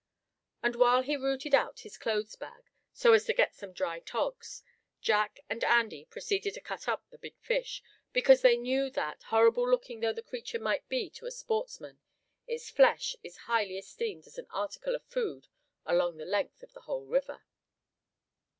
And while he rooted out his clothes bag, so as to get some dry togs, Jack and Andy proceeded to cut up the big fish; because they knew that, horrible looking though the creature might be to a sportsman, its flesh is highly esteemed as an article of food along the length of the whole river.